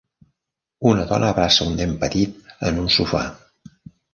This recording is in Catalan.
Una dona abraça un nen petit en un sofà.